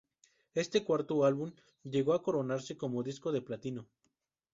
Este cuarto álbum llegó a coronarse como disco de platino.